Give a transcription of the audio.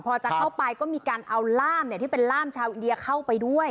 พอจะเข้าไปก็มีการเอาล่ามที่เป็นล่ามชาวอินเดียเข้าไปด้วย